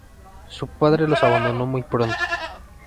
Su padre los abandonó muy pronto.